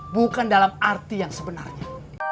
bukan dalam arti yang sebenarnya